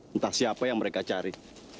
entah siapa yang mereka cari